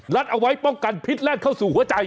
เอาไว้ป้องกันพิษแล่นเข้าสู่หัวใจ